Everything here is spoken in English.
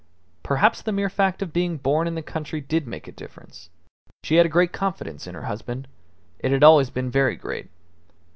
Perhaps the mere fact of being born in the country did make a difference. She had a great confidence in her husband; it had always been very great.